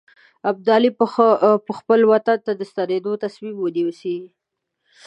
ابدالي به خپل وطن ته د ستنېدلو تصمیم ونیسي.